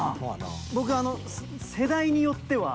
僕あの世代によっては。